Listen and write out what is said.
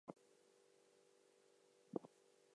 It has a French title Partout Toi.